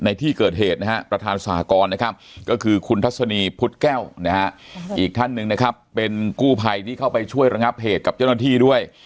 อีกท่านหนึ่งนะครับเป็นกู้ภัยที่เข้าไปช่วยระงับเหตุกับเจ้าหน้าที่ด้วย